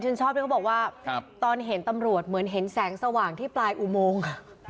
ชอบด้วยเขาบอกว่าตอนเห็นตำรวจเหมือนเห็นแสงสว่างที่ปลายอุโมง